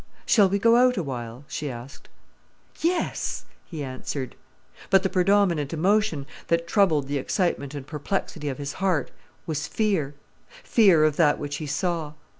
"Shall we go out awhile?" she asked. "Yes!" he answered. But the predominant emotion, that troubled the excitement and perplexity of his heart, was fear, fear of that which he saw.